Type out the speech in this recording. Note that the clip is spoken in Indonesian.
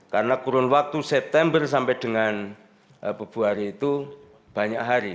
karena kurun waktu september sampai dengan bubu hari itu banyak hari